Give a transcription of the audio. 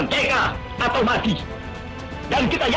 pertempuran surabaya menangkan pilihan